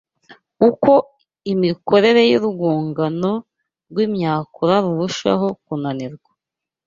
Uko imikorere y’urwungano rw’imyakura rurushaho kunanirwa